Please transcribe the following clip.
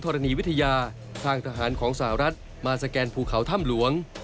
รณีวิทยาทางทหารของสหรัฐมาสแกนภูเขาถ้ำหลวง